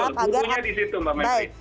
betul burunya di situ mbak menteri